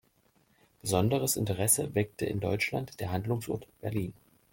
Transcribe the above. Besonderes Interesse weckte in Deutschland der Handlungsort Berlin.